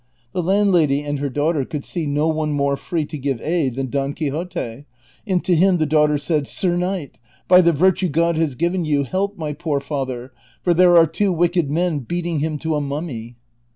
The landlady and her daughter could see no one more free to give aid than Don S80 t)ON QUIXOTE. Quixote, and to him the daughter said, " Sir knight, by the virtue God has given you, help my poor father, for there are two wicked men beating him to a mummy."